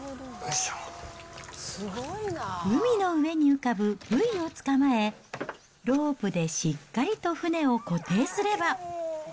海の上に浮かぶブイを捕まえ、ロープでしっかりと船を固定すれば。